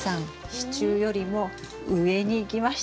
支柱よりも上にいきましたねとうとう。